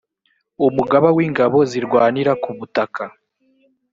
umugaba w’ingabo zirwanira ku butaka